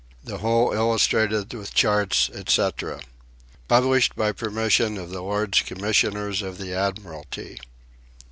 THE WHOLE ILLUSTRATED WITH CHARTS, ETC. ... PUBLISHED BY PERMISSION OF THE LORDS COMMISSIONERS OF THE ADMIRALTY.